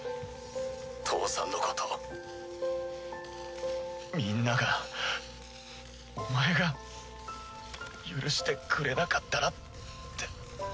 父さんのことみんながお前が許してくれなかったらって。